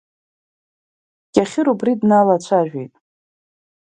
Кьахьыр убри дналацәажәеит.